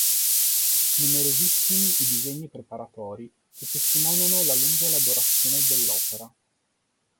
Numerosissimi i disegni preparatori, che testimoniano la lunga elaborazione dell'opera.